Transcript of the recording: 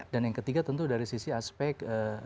dan yang ketiga tentu dari sisi aspek